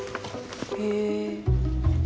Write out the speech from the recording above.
へえ。